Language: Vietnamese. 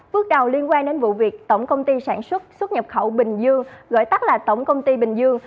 bước đầu liên quan đến vụ việc tổng công ty sản xuất xuất nhập khẩu bình dương gọi tắt là tổng công ty bình dương